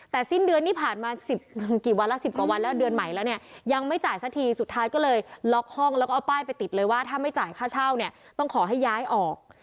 แต่สิ้นเดือนนี้ผ่านมา๑๐กี่วันละ๑๐กว่าวันแล้วเดือนใหม่แล้วเนี่ยยังไม่จ่ายสักทีสุดท้ายก็เลยล็อกห้องแล้วก็เอาป้ายไปติดเลยว่าถ้าไม่จ่ายค่าเช่าเนี่ยต้องขอให้ย้ายออก